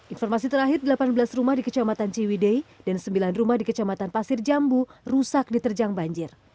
informasi terakhir delapan belas rumah di kecamatan ciwidei dan sembilan rumah di kecamatan pasir jambu rusak diterjang banjir